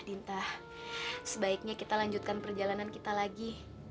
tinta sebaiknya kita lanjutkan perjalanan kita lagi